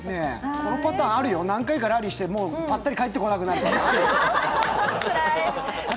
このパターンあるよ、何回かラリーしてもうぱったり返ってこなくなるの、あれ？